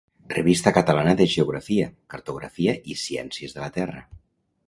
Revista Catalana de Geografia, Cartografia i Ciències de la Terra.